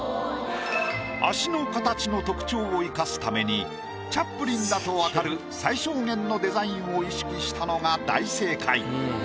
足の形の特徴を生かすためにチャップリンだと分かる最小限のデザインを意識したのが大正解。